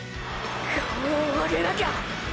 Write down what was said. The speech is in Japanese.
顔を上げなきゃ！！